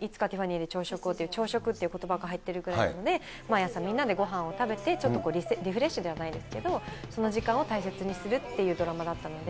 いつかティファニーで朝食っていうことばが入ってるぐらいなので、毎朝みんなでごはんを食べて、ちょっとリフレッシュではないんですけど、その時間を大切にするっていうドラマだったので。